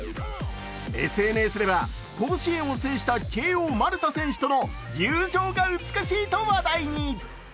ＳＮＳでは、甲子園を制した慶応・丸田選手との友情が美しいと話題に。